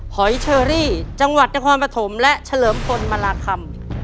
หอยเชอรี่จังหวัดนครปฐมและเฉลิมพลมาราคำ